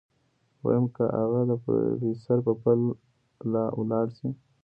ويم که اغه د پروفيسر په پل لاړ شي.